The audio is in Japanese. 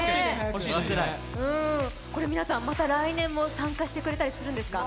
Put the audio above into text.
これ、皆さん、また来年も参加してくれたりするんですか？